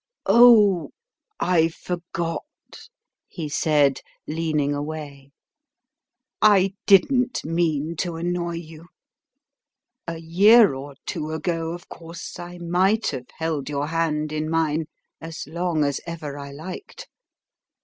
"Oh, I forgot," he said, leaning away. "I didn't mean to annoy you. A year or two ago, of course, I might have held your hand in mine as long as ever I liked.